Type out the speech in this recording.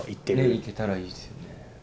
行けたらいいですよね。